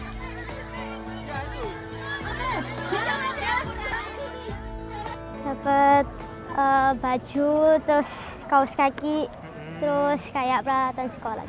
dapat baju terus kaos kaki terus kayak peralatan sekolah